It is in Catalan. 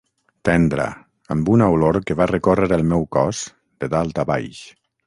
Tendra, amb una olor que va recórrer el meu cos, de dalt a baix.